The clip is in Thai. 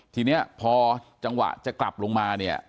ทีนี้พอจังหวะจะกลับลงมาเนี่ย